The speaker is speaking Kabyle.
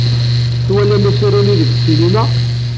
Twala asaru-nni deg ssinima.